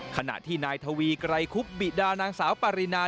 ขณะที่นายทวีไกรคุบบิดานางสาวปารินา